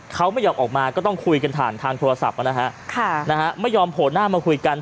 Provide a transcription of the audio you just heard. เขาไม่ยอมออกมาก็ต้องคุยกันผ่านทางโทรศัพท์นะฮะค่ะนะฮะไม่ยอมโผล่หน้ามาคุยกัน